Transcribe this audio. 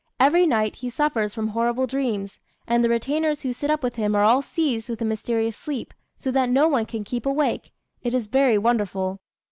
Every night he suffers from horrible dreams; and the retainers who sit up with him are all seized with a mysterious sleep, so that not one can keep awake. It is very wonderful."